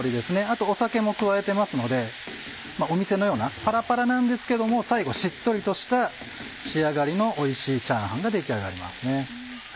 あと酒も加えてますのでお店のようなパラパラなんですけども最後しっとりとした仕上がりのおいしいチャーハンが出来上がります。